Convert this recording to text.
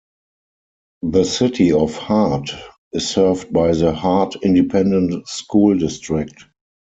The city of Hart is served by the Hart Independent School District.